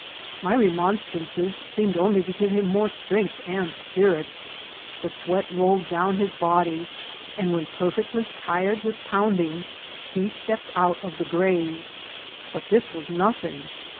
My re monstrances seemed onfy^o give him more strength and spirit. The sweat rolled down his body, and when perfectly tired with pounding he stepped out of the grave. But this was nothing.